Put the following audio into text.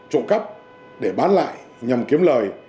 trộm cắp để bán lại nhằm kiếm lời